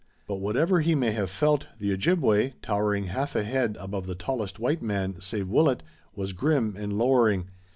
But whatever he may have felt, the Ojibway, towering half a head above the tallest white man, save Willet, was grim and lowering.